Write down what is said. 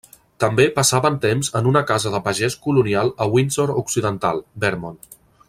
També passaven temps en una casa de pagès colonial a Windsor Occidental, Vermont.